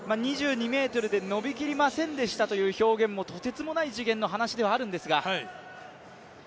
２２ｍで伸び切りませんでしたという表現もとてつもない次元の話ではあるんですが。